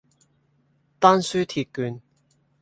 丹書鐵券